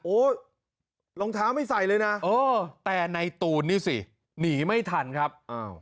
รองเท้าไม่ใส่เลยนะแต่ในตูนนี่สิหนีไม่ทันครับ